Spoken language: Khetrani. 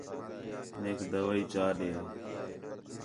میک دوائی چا ݙنیں